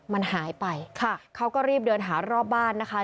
มันหายไปค่ะเขาก็รีบเดินหารอบบ้านนะคะ